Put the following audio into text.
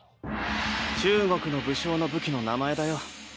中国の武将の武器の名前だよ。